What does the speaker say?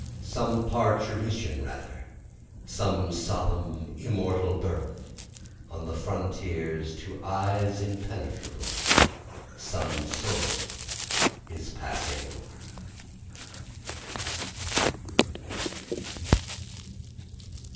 (Some parturition rather, some solemn immortal birth; On the frontiers to eyes impenetrable, Some soul is passing over.)